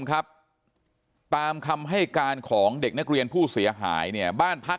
ครับตามคำให้การของเด็กนักเรียนผู้เสียหายเนี่ยบ้านพัก